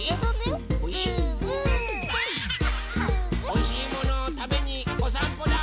おいしいものをたべにおさんぽだ。